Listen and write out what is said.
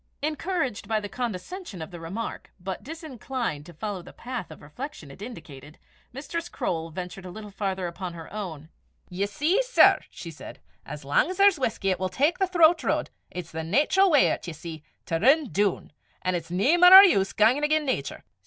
Encouraged by the condescension of the remark, but disinclined to follow the path of reflection it indicated, Mistress Croale ventured a little farther upon her own. "Ye see, sir," she said, "as lang 's there's whusky, it wull tak the throt ro'd. It's the naitral w'y o' 't, ye see, to rin doon; an' it's no mainner o' use gangin' again' natur.